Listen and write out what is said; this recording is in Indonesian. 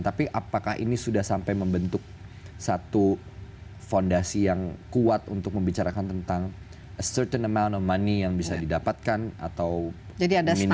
tapi apakah ini sudah sampai membentuk satu fondasi yang kuat untuk membicarakan tentang a certain amount of money yang bisa didapatkan atau minimum ya standarnya